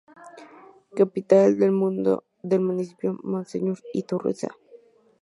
Capital del Municipio Monseñor Iturriza.